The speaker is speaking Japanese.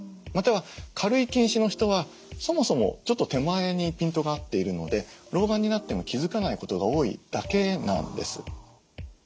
または軽い近視の人はそもそもちょっと手前にピントが合っているので老眼になっても気付かないことが多いだけなんです。